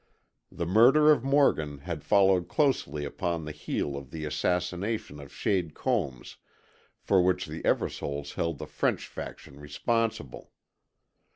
The murder of Morgan had followed closely upon the heel of the assassination of Shade Combs for which the Eversoles held the French faction responsible.